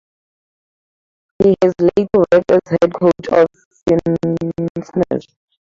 He has later worked as head coach of Finnsnes.